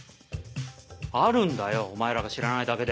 あるんだよお前らが知らないだけで。